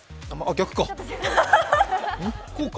逆か。